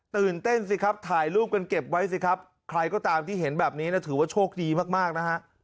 ตื่นเต้นสิครับถ่ายรูปกันเก็บไว้สิครับใครก็ตามที่เห็นแบบนี้ถือว่าโชคดีมากนะฮะ